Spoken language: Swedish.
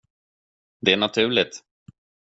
Det är naturligt.